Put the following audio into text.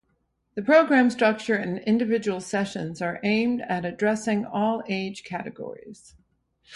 The program structure and individual sessions are aimed at addressing all age categories.